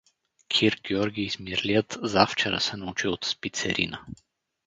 Кир Георги Измирлият завчера се научил от спицерина.